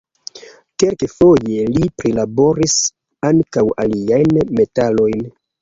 Kelkfoje li prilaboris ankaŭ aliajn metalojn.